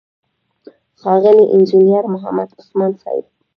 ښاغلی انجينر محمد عثمان صيب،